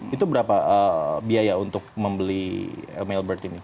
itu berapa biaya untuk membeli mailbird ini